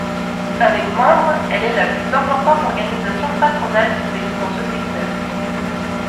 Avec membres, elle est la plus importante organisation patronale du pays dans ce secteur.